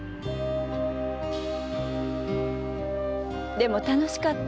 でも楽しかった。